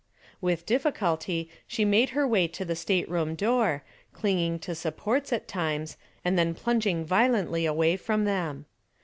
With difficulty she made her way to the stateroom door, clinging to supports at times and then plunging violently away from them.